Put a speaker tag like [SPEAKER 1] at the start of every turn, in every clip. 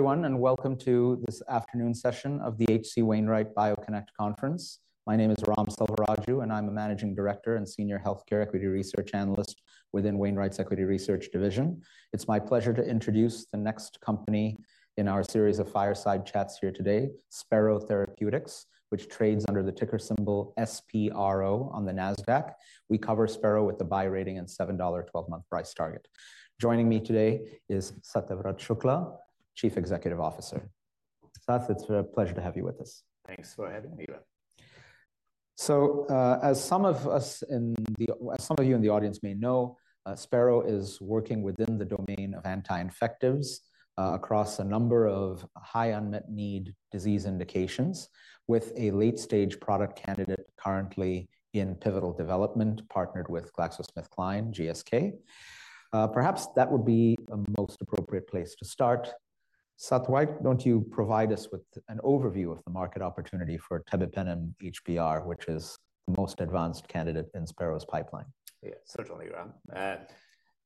[SPEAKER 1] Hello, everyone, and welcome to this afternoon session of the H.C. Wainwright BioConnect conference. My name is Ram Selvaraju, and I'm a Managing Director and Senior Healthcare Equity Research Analyst within Wainwright's Equity Research Division. It's my pleasure to introduce the next company in our series of fireside chats here today, Spero Therapeutics, which trades under the ticker symbol SPRO on the Nasdaq. We cover Spero with a buy rating and $7 twelve-month price target. Joining me today is Satyavrat Shukla, Chief Executive Officer. Sat, it's a pleasure to have you with us.
[SPEAKER 2] Thanks for having me, Ram.
[SPEAKER 1] So, as some of you in the audience may know, Spero is working within the domain of anti-infectives, across a number of high unmet need disease indications, with a late-stage product candidate currently in pivotal development, partnered with GlaxoSmithKline, GSK. Perhaps that would be the most appropriate place to start. Sat, why don't you provide us with an overview of the market opportunity for Tebipenem HBr, which is the most advanced candidate in Spero's pipeline?
[SPEAKER 2] Yeah, certainly, Ram.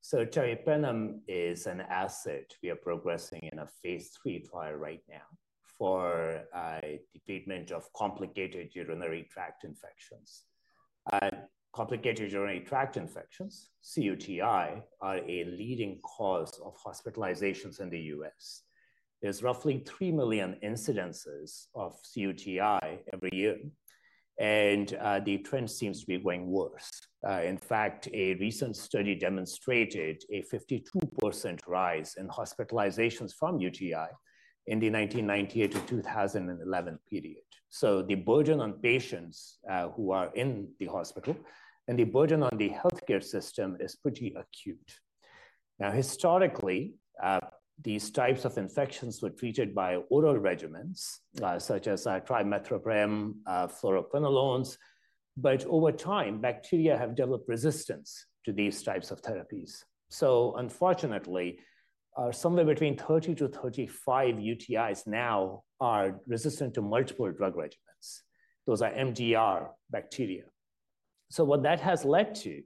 [SPEAKER 2] So Tebipenem is an asset we are progressing in a phase III trial right now for the treatment of complicated urinary tract infections. Complicated urinary tract infections, cUTI, are a leading cause of hospitalizations in the U.S. There's roughly 3 million incidences of cUTI every year, and the trend seems to be going worse. In fact, a recent study demonstrated a 52% rise in hospitalizations from UTI in the 1998-2011 period. So the burden on patients who are in the hospital and the burden on the healthcare system is pretty acute. Now, historically, these types of infections were treated by oral regimens such as trimethoprim, fluoroquinolones, but over time, bacteria have developed resistance to these types of therapies. So unfortunately, somewhere between 30-35 UTIs now are resistant to multiple drug regimens. Those are MDR bacteria. So what that has led to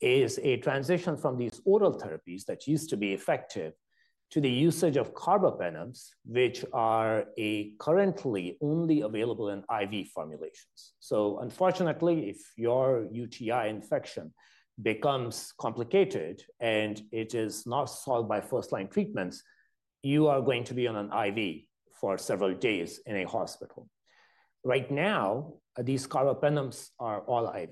[SPEAKER 2] is a transition from these oral therapies that used to be effective to the usage of carbapenems, which are currently only available in IV formulations. So unfortunately, if your UTI infection becomes complicated and it is not solved by first-line treatments, you are going to be on an IV for several days in a hospital. Right now, these carbapenems are all IV.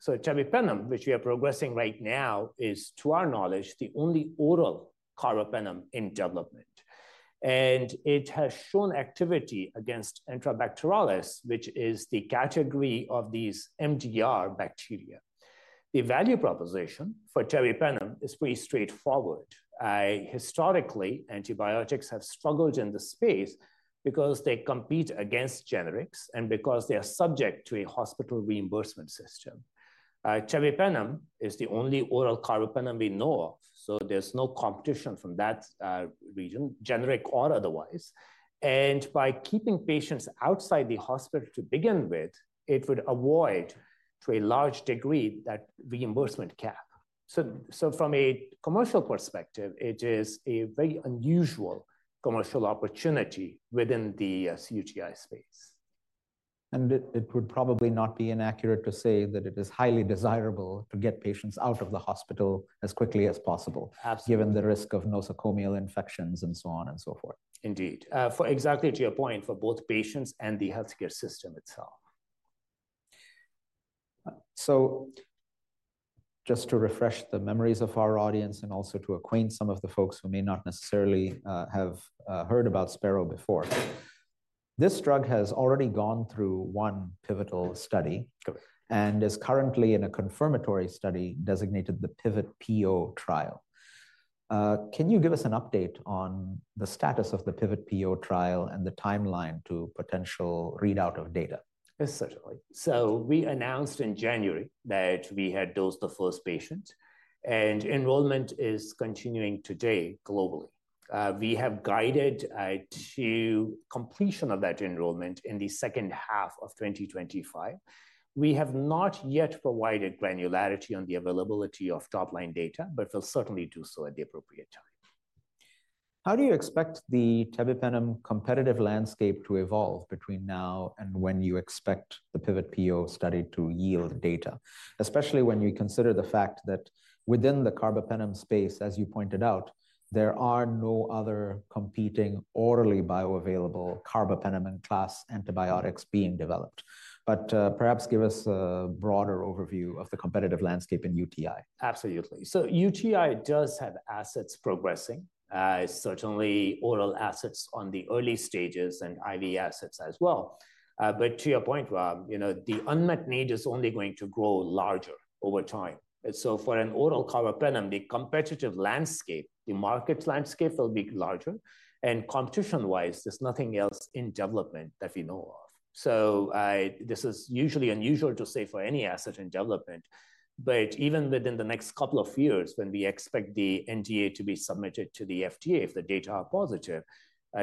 [SPEAKER 2] So Tebipenem, which we are progressing right now, is, to our knowledge, the only oral carbapenem in development, and it has shown activity against Enterobacterales, which is the category of these MDR bacteria. The value proposition for Tebipenem is pretty straightforward. Historically, antibiotics have struggled in this space because they compete against generics and because they are subject to a hospital reimbursement system. Tebipenem is the only oral carbapenem we know of, so there's no competition from that, region, generic or otherwise. And by keeping patients outside the hospital to begin with, it would avoid, to a large degree, that reimbursement cap. So, so from a commercial perspective, it is a very unusual commercial opportunity within the cUTI space.
[SPEAKER 1] It would probably not be inaccurate to say that it is highly desirable to get patients out of the hospital as quickly as possible-
[SPEAKER 2] Absolutely.
[SPEAKER 1] Given the risk of nosocomial infections and so on and so forth.
[SPEAKER 2] Indeed. For exactly to your point, for both patients and the healthcare system itself.
[SPEAKER 1] Just to refresh the memories of our audience and also to acquaint some of the folks who may not necessarily have heard about Spero before, this drug has already gone through one pivotal study-
[SPEAKER 2] Correct.
[SPEAKER 1] and is currently in a confirmatory study designated the PIVOT-PO trial. Can you give us an update on the status of the PIVOT-PO trial and the timeline to potential readout of data?
[SPEAKER 2] Yes, certainly. So we announced in January that we had dosed the first patient, and enrollment is continuing today globally. We have guided to completion of that enrollment in the second half of 2025. We have not yet provided granularity on the availability of top-line data, but we'll certainly do so at the appropriate time.
[SPEAKER 1] How do you expect the tebipenem competitive landscape to evolve between now and when you expect the PIVOT-PO study to yield data, especially when you consider the fact that within the carbapenem space, as you pointed out, there are no other competing orally bioavailable carbapenem-class antibiotics being developed. But, perhaps give us a broader overview of the competitive landscape in UTI.
[SPEAKER 2] Absolutely. So UTI does have assets progressing, certainly oral assets on the early stages and IV assets as well. But to your point, Ram, you know, the unmet need is only going to grow larger over time. So for an oral carbapenem, the competitive landscape, the market landscape will be larger, and competition-wise, there's nothing else in development that we know of. So, this is usually unusual to say for any asset in development, but even within the next couple of years, when we expect the NDA to be submitted to the FDA, if the data are positive,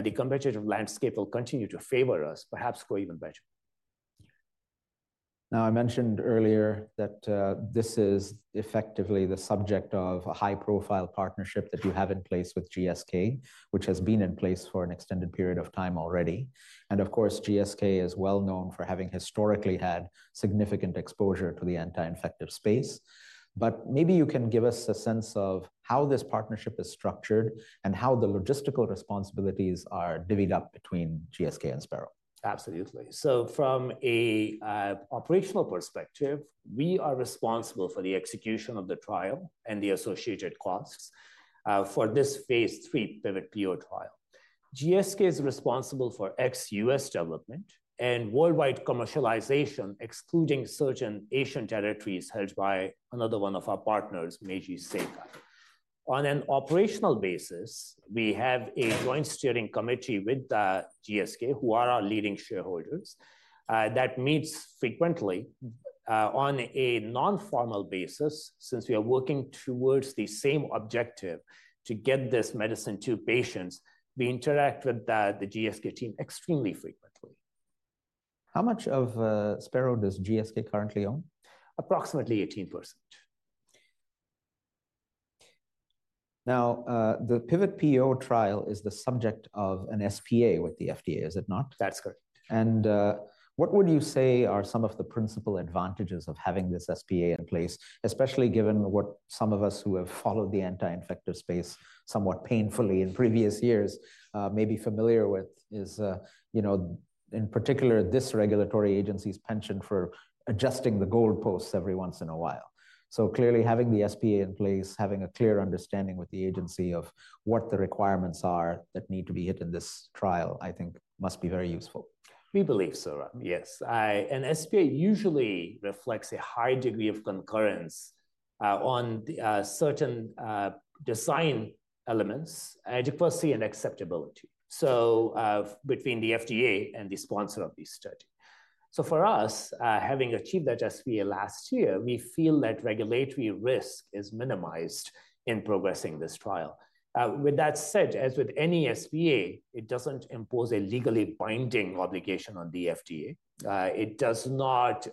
[SPEAKER 2] the competitive landscape will continue to favor us, perhaps grow even better. ...
[SPEAKER 1] Now, I mentioned earlier that this is effectively the subject of a high-profile partnership that you have in place with GSK, which has been in place for an extended period of time already. Of course, GSK is well known for having historically had significant exposure to the anti-infective space. Maybe you can give us a sense of how this partnership is structured and how the logistical responsibilities are divvied up between GSK and Spero.
[SPEAKER 2] Absolutely. So from a operational perspective, we are responsible for the execution of the trial and the associated costs for this phase 3 PIVOT-PO trial. GSK is responsible for ex-US development and worldwide commercialization, excluding certain Asian territories held by another one of our partners, Meiji Seika. On an operational basis, we have a joint steering committee with GSK, who are our leading shareholders, that meets frequently on a non-formal basis. Since we are working towards the same objective to get this medicine to patients, we interact with the GSK team extremely frequently.
[SPEAKER 1] How much of Spero does GSK currently own?
[SPEAKER 2] Approximately 18%.
[SPEAKER 1] Now, the pivot PO trial is the subject of an SPA with the FDA, is it not?
[SPEAKER 2] That's correct.
[SPEAKER 1] What would you say are some of the principal advantages of having this SPA in place, especially given what some of us who have followed the anti-infective space somewhat painfully in previous years may be familiar with, is, you know, in particular, this regulatory agency's penchant for adjusting the goalposts every once in a while. So clearly, having the SPA in place, having a clear understanding with the agency of what the requirements are that need to be hit in this trial, I think must be very useful.
[SPEAKER 2] We believe so, Ram, yes. An SPA usually reflects a high degree of concurrence on the certain design elements, adequacy, and acceptability, so between the FDA and the sponsor of this study. So for us, having achieved that SPA last year, we feel that regulatory risk is minimized in progressing this trial. With that said, as with any SPA, it doesn't impose a legally binding obligation on the FDA. It does not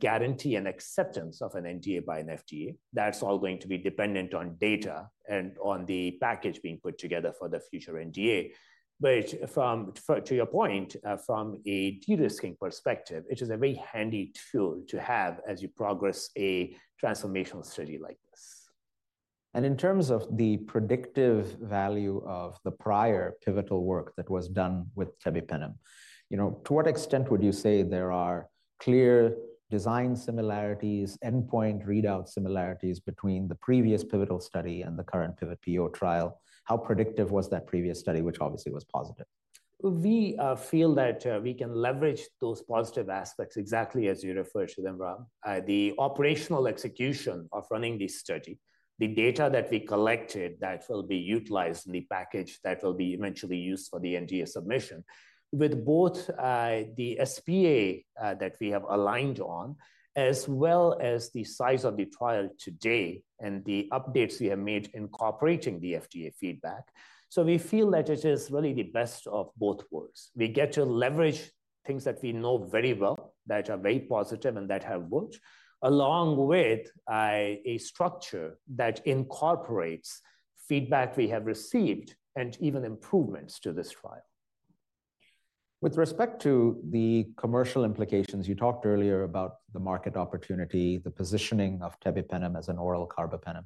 [SPEAKER 2] guarantee an acceptance of an NDA by an FDA. That's all going to be dependent on data and on the package being put together for the future NDA. But to your point, from a de-risking perspective, it is a very handy tool to have as you progress a transformational study like this.
[SPEAKER 1] And in terms of the predictive value of the prior pivotal work that was done with Tebipenem, you know, to what extent would you say there are clear design similarities, endpoint readout similarities between the previous pivotal study and the current pivotal PO trial? How predictive was that previous study, which obviously was positive?
[SPEAKER 2] We feel that we can leverage those positive aspects exactly as you referred to them, Ram. The operational execution of running this study, the data that we collected that will be utilized in the package, that will be eventually used for the NDA submission, with both the SPA that we have aligned on, as well as the size of the trial today and the updates we have made incorporating the FDA feedback. So we feel that it is really the best of both worlds. We get to leverage things that we know very well, that are very positive and that have worked, along with a structure that incorporates feedback we have received and even improvements to this trial.
[SPEAKER 1] With respect to the commercial implications, you talked earlier about the market opportunity, the positioning of Tebipenem as an oral carbapenem.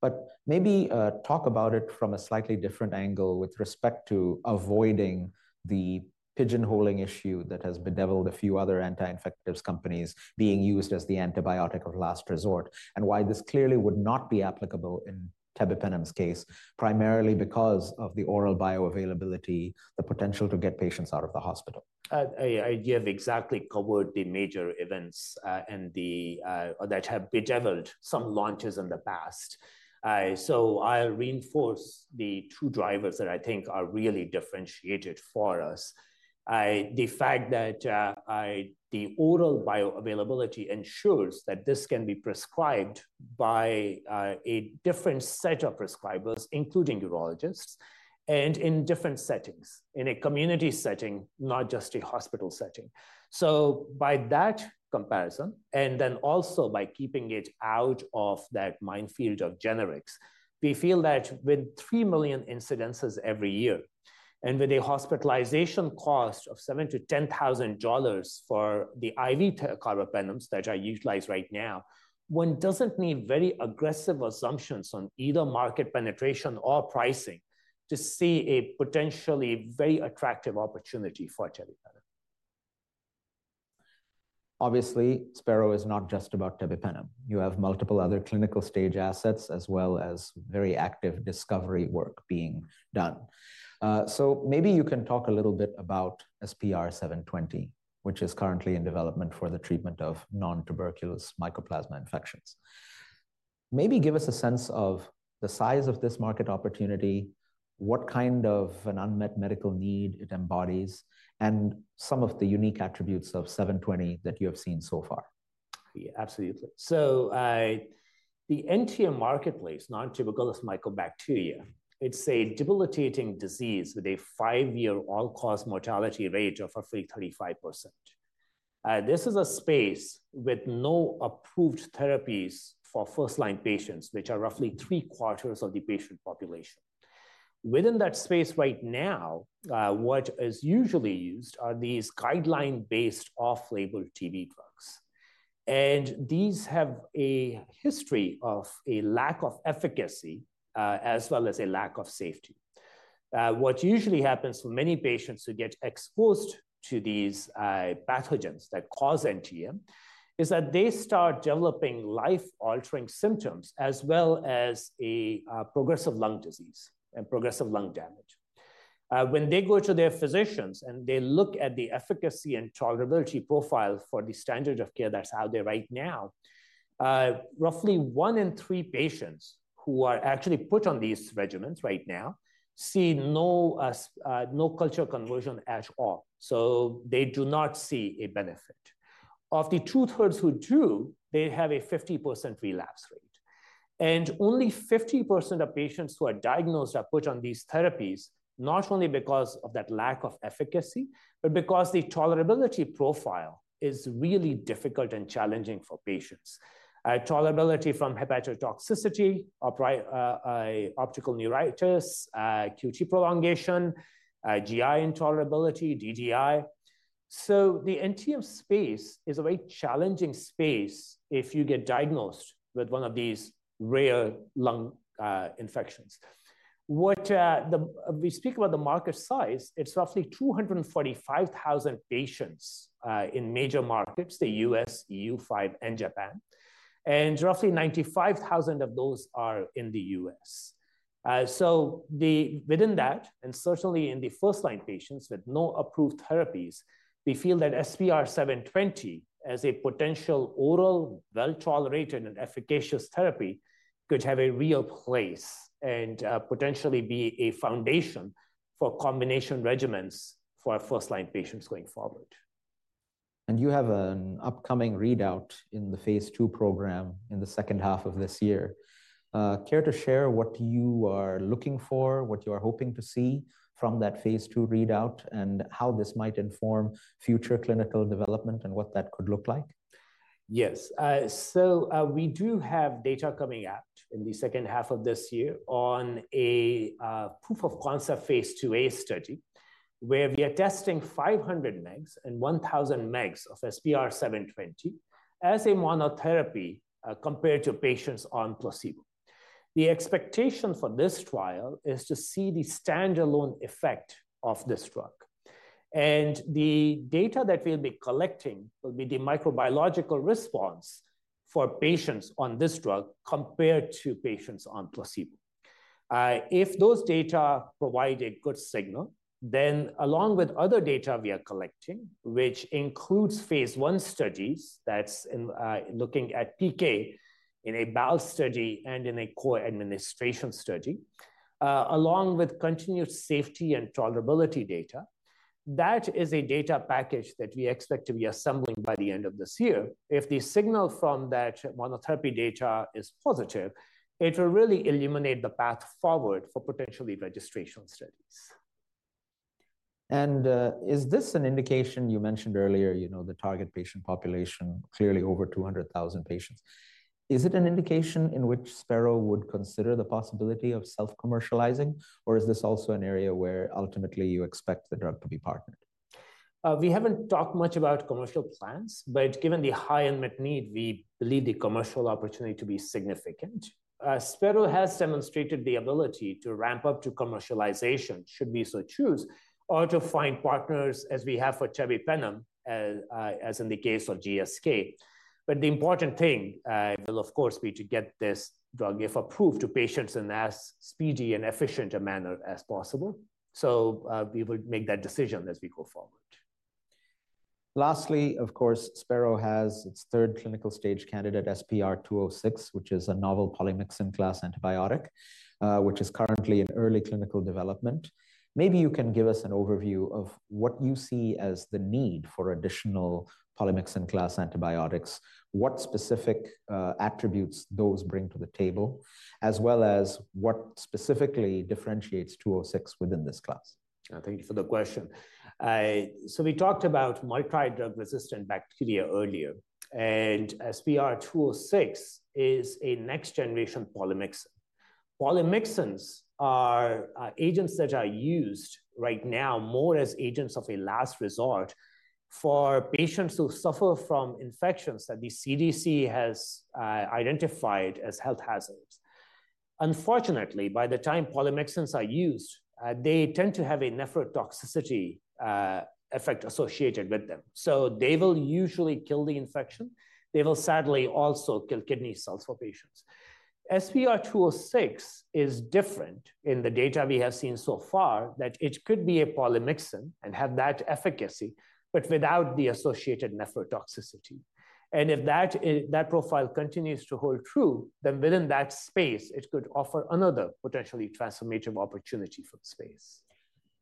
[SPEAKER 1] But maybe, talk about it from a slightly different angle with respect to avoiding the pigeonholing issue that has bedeviled a few other anti-infectives companies being used as the antibiotic of last resort, and why this clearly would not be applicable in Tebipenem's case, primarily because of the oral bioavailability, the potential to get patients out of the hospital.
[SPEAKER 2] You have exactly covered the major events and that have bedeviled some launches in the past. So I'll reinforce the 2 drivers that I think are really differentiated for us. The fact that the oral bioavailability ensures that this can be prescribed by a different set of prescribers, including urologists, and in different settings, in a community setting, not just a hospital setting. So by that comparison, and then also by keeping it out of that minefield of generics, we feel that with 3 million incidences every year and with a hospitalization cost of $7,000-$10,000 for the IV carbapenems that are utilized right now, one doesn't need very aggressive assumptions on either market penetration or pricing to see a potentially very attractive opportunity for Tebipenem.
[SPEAKER 1] Obviously, Spero is not just about Tebipenem HBr. You have multiple other clinical stage assets, as well as very active discovery work being done. So maybe you can talk a little bit about SPR720, which is currently in development for the treatment of nontuberculous mycobacterial infections. Maybe give us a sense of the size of this market opportunity, what kind of an unmet medical need it embodies, and some of the unique attributes of 720 that you have seen so far....
[SPEAKER 2] Yeah, absolutely. So, the NTM marketplace, nontuberculous mycobacteria, it's a debilitating disease with a five-year all-cause mortality rate of roughly 35%. This is a space with no approved therapies for first-line patients, which are roughly three-quarters of the patient population. Within that space right now, what is usually used are these guideline-based, off-label TB drugs, and these have a history of a lack of efficacy, as well as a lack of safety. What usually happens to many patients who get exposed to these, pathogens that cause NTM, is that they start developing life-altering symptoms, as well as a progressive lung disease and progressive lung damage. When they go to their physicians, and they look at the efficacy and tolerability profile for the standard of care that's out there right now, roughly one in three patients who are actually put on these regimens right now see no culture conversion at all, so they do not see a benefit. Of the two-thirds who do, they have a 50% relapse rate, and only 50% of patients who are diagnosed are put on these therapies, not only because of that lack of efficacy, but because the tolerability profile is really difficult and challenging for patients. Tolerability from hepatotoxicity, optic neuritis, QT prolongation, GI intolerability, DDI. So the NTM space is a very challenging space if you get diagnosed with one of these rare lung infections. We speak about the market size, it's roughly 245,000 patients in major markets, the US, EU5, and Japan, and roughly 95,000 of those are in the US. So within that, and certainly in the first-line patients with no approved therapies, we feel that SPR720, as a potential oral, well-tolerated, and efficacious therapy, could have a real place and potentially be a foundation for combination regimens for our first-line patients going forward.
[SPEAKER 1] You have an upcoming readout in the phase II program in the second half of this year. Care to share what you are looking for, what you are hoping to see from that phase II readout, and how this might inform future clinical development and what that could look like?
[SPEAKER 2] Yes. So, we do have data coming out in the second half of this year on a proof of concept phase IIa study, where we are testing 500 mg and 1,000 mg of SPR720 as a monotherapy, compared to patients on placebo. The expectation for this trial is to see the standalone effect of this drug, and the data that we'll be collecting will be the microbiological response for patients on this drug compared to patients on placebo. If those data provide a good signal, then along with other data we are collecting, which includes phase I studies, that's in looking at PK in an oral study and in an oral administration study, along with continued safety and tolerability data, that is a data package that we expect to be assembling by the end of this year. If the signal from that monotherapy data is positive, it will really illuminate the path forward for potentially registration studies.
[SPEAKER 1] Is this an indication, you mentioned earlier, you know, the target patient population, clearly over 200,000 patients. Is it an indication in which Spero would consider the possibility of self-commercializing, or is this also an area where ultimately you expect the drug to be partnered?
[SPEAKER 2] We haven't talked much about commercial plans, but given the high unmet need, we believe the commercial opportunity to be significant. Spero has demonstrated the ability to ramp up to commercialization, should we so choose, or to find partners, as we have for tebipenem, as in the case of GSK. But the important thing, will, of course, be to get this drug, if approved, to patients in as speedy and efficient a manner as possible, so we will make that decision as we go forward.
[SPEAKER 1] Lastly, of course, Spero has its third clinical stage candidate, SPR206, which is a novel polymyxin-class antibiotic, which is currently in early clinical development. Maybe you can give us an overview of what you see as the need for additional polymyxin-class antibiotics, what specific attributes those bring to the table, as well as what specifically differentiates 206 within this class.
[SPEAKER 2] Thank you for the question. So we talked about multi-drug resistant bacteria earlier, and SPR206 is a next-generation polymyxin. Polymyxins are agents that are used right now more as agents of a last resort for patients who suffer from infections that the CDC has identified as health hazards. Unfortunately, by the time polymyxins are used, they tend to have a nephrotoxicity effect associated with them. So they will usually kill the infection. They will sadly also kill kidney cells for patients. SPR206 is different in the data we have seen so far, that it could be a polymyxin and have that efficacy, but without the associated nephrotoxicity. And if that profile continues to hold true, then within that space, it could offer another potentially transformative opportunity for the space....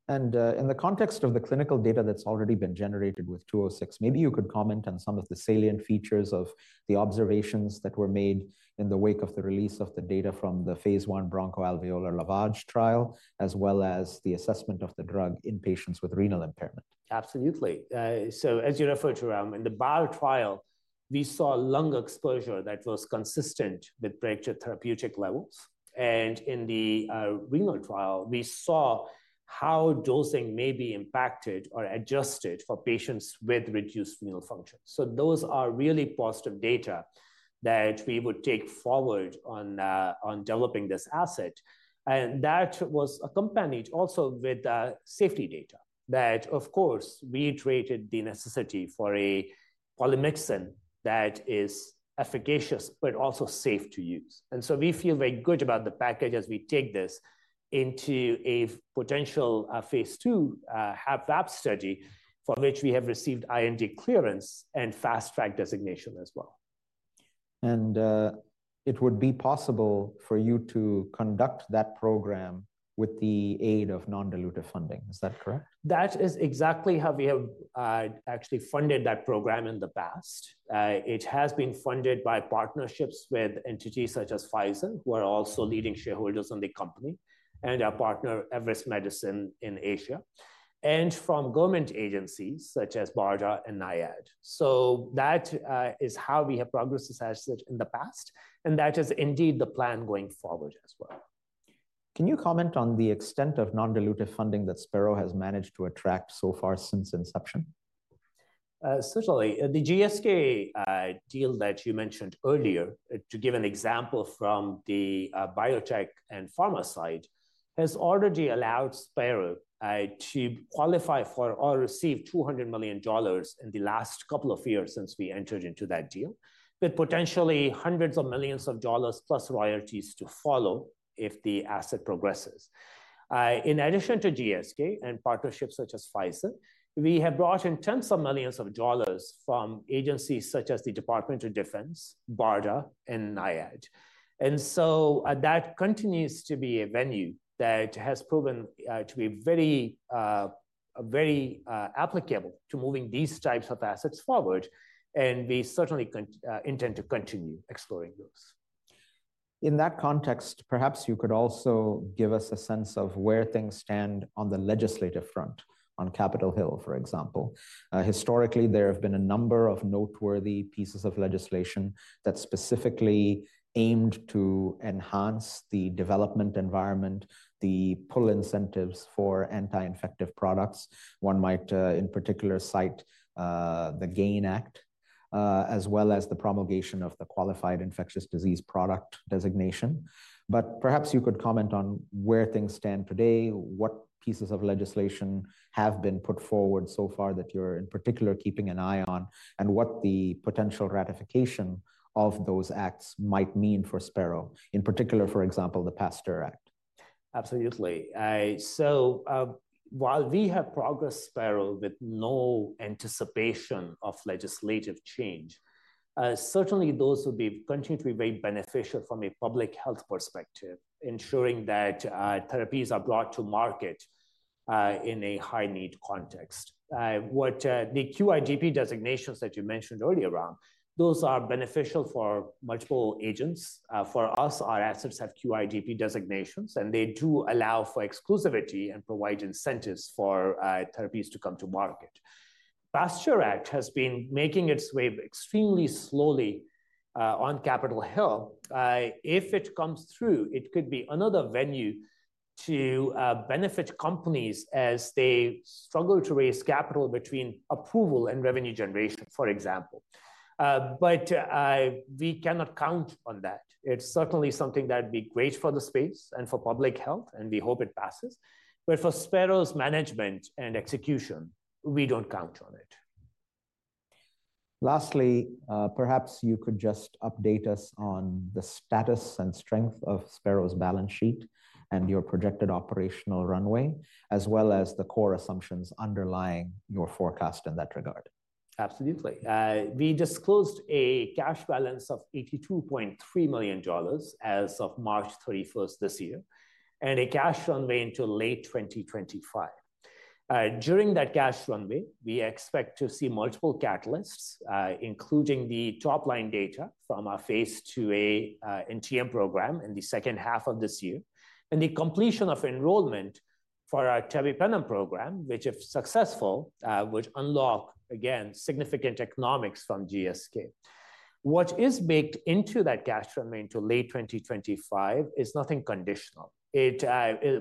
[SPEAKER 1] in the context of the clinical data that's already been generated with 206, maybe you could comment on some of the salient features of the observations that were made in the wake of the release of the data from the phase 1 bronchoalveolar lavage trial, as well as the assessment of the drug in patients with renal impairment?
[SPEAKER 2] Absolutely. So as you referred to, Ram, in the BAL trial, we saw lung exposure that was consistent with breakthrough therapeutic levels. And in the renal trial, we saw how dosing may be impacted or adjusted for patients with reduced renal function. So those are really positive data that we would take forward on developing this asset. And that was accompanied also with safety data that, of course, reiterated the necessity for a polymyxin that is efficacious but also safe to use. And so we feel very good about the package as we take this into a potential phase 2 half AB study, for which we have received IND clearance and Fast Track designation as well.
[SPEAKER 1] It would be possible for you to conduct that program with the aid of non-dilutive funding. Is that correct?
[SPEAKER 2] That is exactly how we have actually funded that program in the past. It has been funded by partnerships with entities such as Pfizer, who are also leading shareholders in the company, and our partner, Everest Medicine in Asia, and from government agencies such as BARDA and NIAID. So that is how we have progressed this asset in the past, and that is indeed the plan going forward as well.
[SPEAKER 1] Can you comment on the extent of non-dilutive funding that Spero has managed to attract so far since inception?
[SPEAKER 2] Certainly. The GSK deal that you mentioned earlier, to give an example from the biotech and pharma side, has already allowed Spero to qualify for or receive $200 million in the last couple of years since we entered into that deal, with potentially $ hundreds of millions plus royalties to follow if the asset progresses. In addition to GSK and partnerships such as Pfizer, we have brought in $ tens of millions from agencies such as the Department of Defense, BARDA, and NIAID. And so, that continues to be a venue that has proven to be very, very applicable to moving these types of assets forward, and we certainly intend to continue exploring those.
[SPEAKER 1] In that context, perhaps you could also give us a sense of where things stand on the legislative front, on Capitol Hill, for example. Historically, there have been a number of noteworthy pieces of legislation that specifically aimed to enhance the development environment, the pull incentives for anti-infective products. One might, in particular, cite the GAIN Act, as well as the promulgation of the Qualified Infectious Disease Product designation. But perhaps you could comment on where things stand today, what pieces of legislation have been put forward so far that you're in particular keeping an eye on, and what the potential ratification of those acts might mean for Spero, in particular, for example, the PASTEUR Act.
[SPEAKER 2] Absolutely. So, while we have progressed Spero with no anticipation of legislative change, certainly those would be continue to be very beneficial from a public health perspective, ensuring that, therapies are brought to market, in a high-need context. What, the QIDP designations that you mentioned earlier on, those are beneficial for multiple agents. For us, our assets have QIDP designations, and they do allow for exclusivity and provide incentives for, therapies to come to market. PASTEUR Act has been making its way extremely slowly, on Capitol Hill. If it comes through, it could be another venue to, benefit companies as they struggle to raise capital between approval and revenue generation, for example. But, we cannot count on that. It's certainly something that'd be great for the space and for public health, and we hope it passes, but for Spero's management and execution, we don't count on it.
[SPEAKER 1] Lastly, perhaps you could just update us on the status and strength of Spero's balance sheet and your projected operational runway, as well as the core assumptions underlying your forecast in that regard?
[SPEAKER 2] Absolutely. We disclosed a cash balance of $82.3 million as of March 31 this year, and a cash runway until late 2025. During that cash runway, we expect to see multiple catalysts, including the top-line data from our phase 2A NTM program in the second half of this year, and the completion of enrollment for our tebipenem program, which, if successful, would unlock, again, significant economics from GSK. What is baked into that cash runway until late 2025 is nothing conditional. It...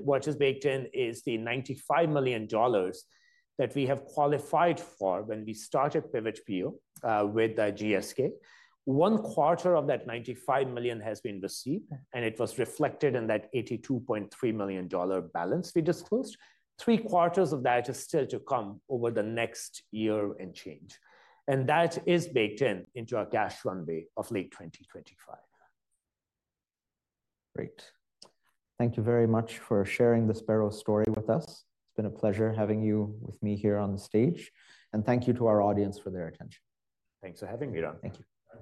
[SPEAKER 2] What is baked in is the $95 million that we have qualified for when we started pivot deal with GSK. One quarter of that $95 million has been received, and it was reflected in that $82.3 million balance we disclosed. 3 quarters of that is still to come over the next year and change, and that is baked into our cash runway of late 2025.
[SPEAKER 1] Great. Thank you very much for sharing the Spero story with us. It's been a pleasure having you with me here on the stage, and thank you to our audience for their attention.
[SPEAKER 2] Thanks for having me on.
[SPEAKER 1] Thank you. Bye.